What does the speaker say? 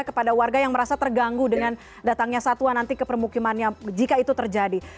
kepada warga yang merasa terganggu dengan datangnya satwa nanti ke permukimannya jika itu terjadi